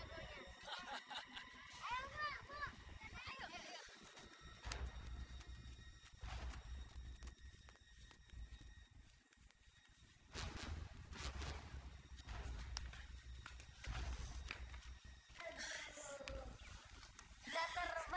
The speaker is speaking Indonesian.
terlihat negeri sama dengan laba crispy tapi barang yellow